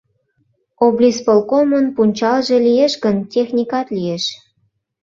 — Облисполкомын пунчалже лиеш гын, техникат лиеш.